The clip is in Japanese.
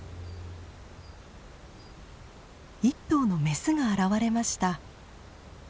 １頭のメスが現れました。